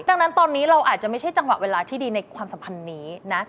ดังนั้นตอนนี้เราอาจจะไม่ใช่จังหวะเวลาที่ดีในความสัมพันธ์นี้นะ